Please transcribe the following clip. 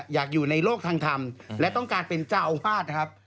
อยากอยู่ในโลกทางธรรมและต้องการเป็นเจ้าอาวาสนะครับ